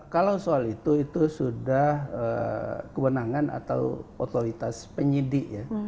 kalau soal itu itu sudah kewenangan atau otoritas penyidik ya